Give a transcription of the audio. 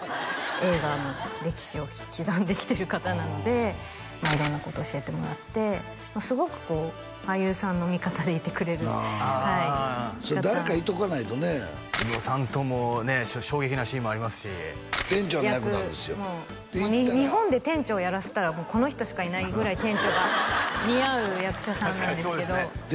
映画の歴史を刻んできてる方なので色んなこと教えてもらってすごくこう俳優さんの味方でいてくれるああ誰かいとかないとね宇野さんともね衝撃なシーンもありますし店長の役なんですよ日本で店長をやらせたらもうこの人しかいないぐらい店長が似合う役者さんなんですけど確かにそうですね